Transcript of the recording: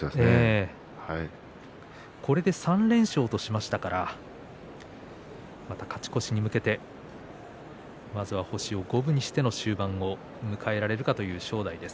これで３連勝としましたからまた勝ち越しに向けてまずは星を五分に戻しての終盤を迎えられるかという正代です。